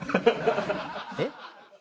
えっ？